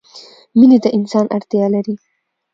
مینې ته انسان اړتیا لري.